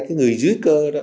cái người dưới cơ đó